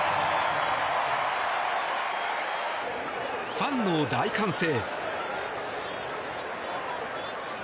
ファンの大歓声。